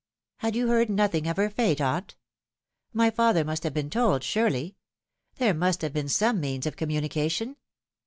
"Had you heard nothing of her fate, aunt? My father must have been told, surely. There must have been some means of communication.